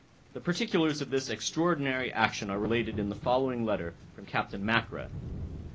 The particulars of this extraordinary action are related in the following letter from Captain Mackra.